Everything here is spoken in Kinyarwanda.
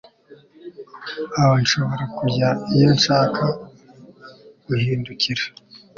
aho nshobora kujya iyo nshaka guhindukira